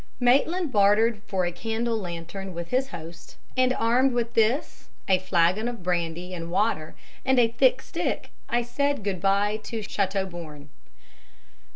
Maitland bartered for a candle lantern with his host, and armed with this, a flagon of brandy and water and a thick stick, I said good bye to Châteauborne.